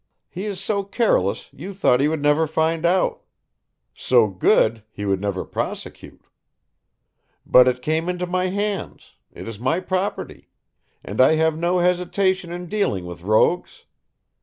He is so careless you thought he would never find out; so good, he would never prosecute. But it came into my hands, it is my property, and I have no hesitation in dealing with rogues.